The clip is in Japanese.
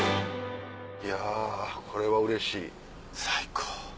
いやこれはうれしい最高。